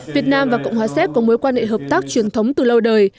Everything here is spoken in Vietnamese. việt nam và cộng hòa séc có mối quan hệ hợp tác truyền thống từ lâu đời